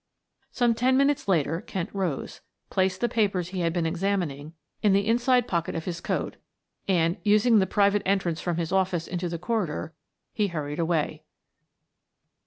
Some ten minutes later Kent rose, placed the papers he had been examining in the inside pocket of his coat and, using the private entrance from his office into the corridor, he hurried away.